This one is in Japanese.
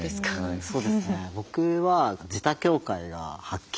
そうですね。